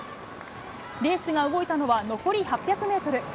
レースが動いたのは残り８００メートル。